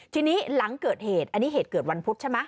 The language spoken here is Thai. ทีนี้หลังเกิดเหตุอันนี้เหตุเกิดวันพุธใช่ไหม